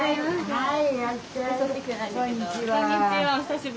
はい。